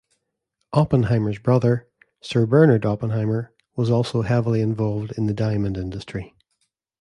Oppenheimer's brother, Sir Bernard Oppenheimer, was also heavily involved in the diamond industry.